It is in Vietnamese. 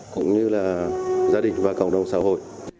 cũng như là gia đình và cộng đồng xã hội